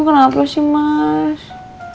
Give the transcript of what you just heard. lalu si mas